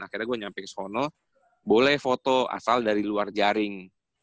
akhirnya gua nyampe ke sonol boleh foto asal dari luar jaring